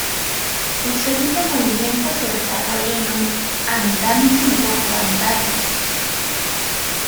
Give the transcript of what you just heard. El segundo movimiento se desarrolla en un "Andante un poco adagio".